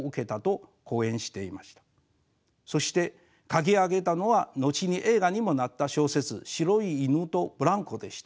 そして書き上げたのが後に映画にもなった小説「白い犬とブランコ」でした。